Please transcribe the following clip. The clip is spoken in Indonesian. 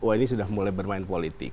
wah ini sudah mulai bermain politik